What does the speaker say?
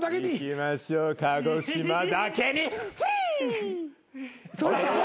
いきましょうかごしまだけにフィー。